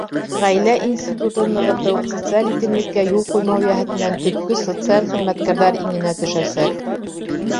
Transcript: Ғаилә институтын нығытыу, социаль етемлеккә юл ҡуймау йәһәтенән төп көс социаль хеҙмәткәрҙәр иңенә төшәсәк.